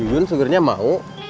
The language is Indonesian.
ibu sugarnya mau